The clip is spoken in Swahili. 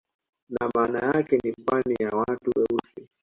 Na maana yake ni pwani ya watu weusi